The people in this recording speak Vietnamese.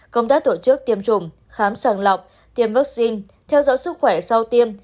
công tác tổ chức tiêm chủng khám sàng lọc tiêm vaccine theo dõi sức khỏe sau tiêm